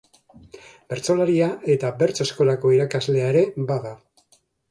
Bertsolaria eta bertso-eskolako irakaslea ere bada.